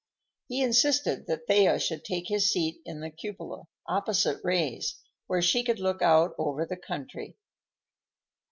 He insisted that Thea should take his seat in the cupola, opposite Ray's, where she could look out over the country.